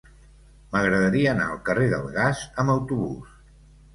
M'agradaria anar al carrer del Gas amb autobús.